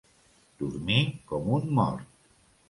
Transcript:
Dormir com un mort.